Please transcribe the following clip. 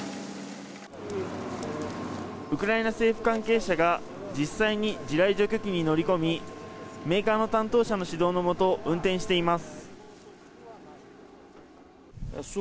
ウクライナ政府関係者が実際に地雷除去機に乗り込みメーカーの担当者の指導のもと運転しています。